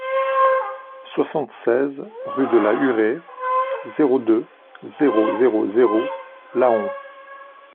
soixante-seize rue de la Hurée, zéro deux, zéro zéro zéro, Laon